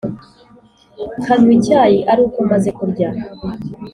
nkanywa icyayi aruko maze kurya,